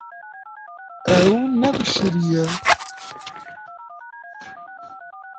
Ew nebişiriye.